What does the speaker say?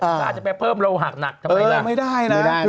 อาจจะไปเพิ่มโรหักหนักทำไมล่ะ